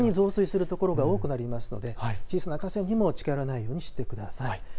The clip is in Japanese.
急激に増水するところがありますので小さな河川にも近寄らないようにしてください。